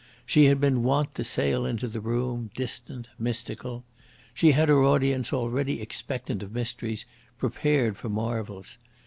She had been wont to sail into the room, distant, mystical. She had her audience already expectant of mysteries, prepared for marvels.